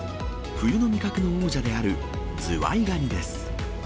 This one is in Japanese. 冬の味覚の王者であるズワイガニです。